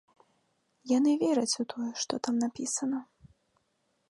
Яны вераць у тое, што там напісана.